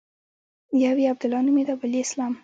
يو يې عبدالله نومېده بل يې اسلام.